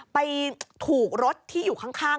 ไปถูกรถที่อยู่ข้าง